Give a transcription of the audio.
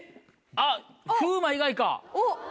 あっ風磨以外か。